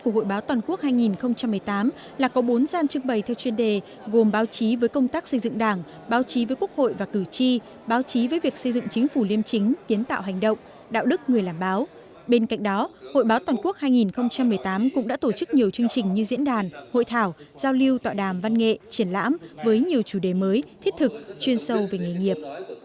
hội báo toàn quốc hai nghìn một mươi tám cũng đã tổ chức nhiều chương trình như diễn đàn hội thảo giao lưu tọa đàm văn nghệ triển lãm với nhiều chủ đề mới thiết thực chuyên sâu về nghề nghiệp